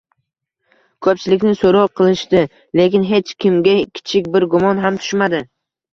Ko`pchilikni so`roq qilishdi, lekin hech kimga kichik bir gumon ham tushmadi